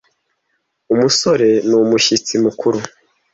umusore ni umushyitsi mukuru.